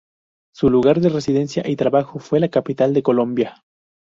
Su lugar de residencia y trabajo fue la capital de Colombia.